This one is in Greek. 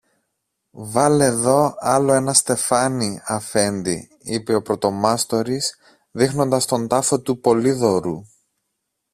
Βάλε δω άλλο ένα στεφάνι, Αφέντη, είπε ο πρωτομάστορης, δείχνοντας τον τάφο του Πολύδωρου.